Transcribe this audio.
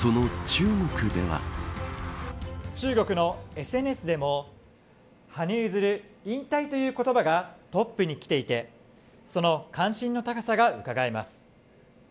中国のＳＮＳでも羽生結弦、引退という言葉がトップにきていてその関心の高さがうかがえます。